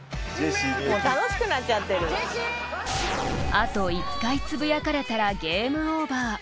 ［あと１回つぶやかれたらゲームオーバー］